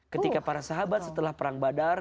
ketika para sahabat setelah perang badar